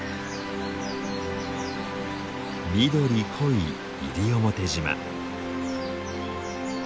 緑濃い西表島。